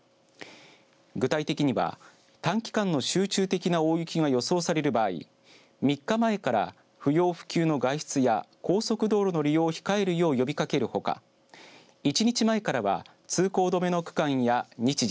具体的には短期間の集中的な大雪が予想される場合３日前から不要不急の外出や高速道路の利用を控えるよう呼びかけるほか１日前からは通行止めの区間や日時